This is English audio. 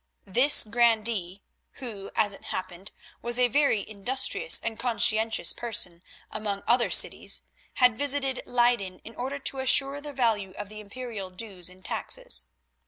This grandee, who, as it happened, was a very industrious and conscientious person, among other cities, had visited Leyden in order to assess the value of the Imperial dues and taxes.